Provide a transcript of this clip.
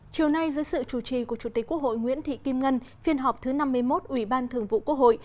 chiều nay dưới sự chủ trì của chủ tịch quốc hội nguyễn thị kim ngân phiên họp thứ năm mươi một ủy ban thường vụ quốc hội